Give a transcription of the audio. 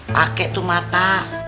pake tuh mata